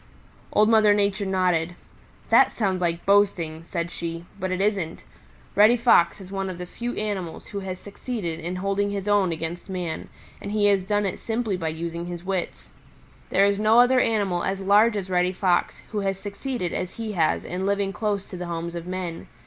Old Mother Nature nodded. "That sounds like boasting," said she, "but it isn't. Reddy Fox is one of the few animals who has succeeded in holding his own against man, and he has done it simply by using his wits. There is no other animal as large as Reddy Fox who has succeeded as he has in living close to the homes of men.